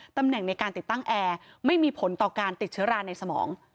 ตำแหน่งในการติดตั้งแอร์ไม่มีผลต่อการติดเชื้อราในสมอง